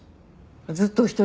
ずっとお一人？